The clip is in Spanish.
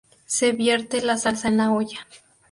Se vierte la salsa en la olla.